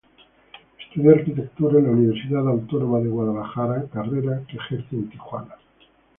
Estudió arquitectura en la Universidad Autónoma de Guadalajara, carrera que ejerce en Tijuana.